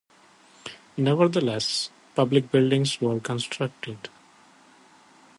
Nevertheless, public buildings were constructed.